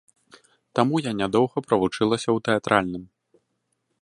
Таму я не доўга правучылася ў тэатральным.